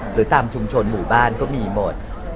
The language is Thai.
หรือตามชุมชนหมู่บ้านก็มีหมด